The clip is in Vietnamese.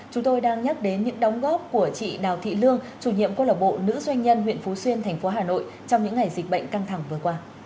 chúng tôi đang nhắc đến những đóng góp của chị đào thị lương chủ nhiệm cô lạc bộ nữ doanh nhân huyện phú xuyên thành phố hà nội trong những ngày dịch bệnh căng thẳng vừa qua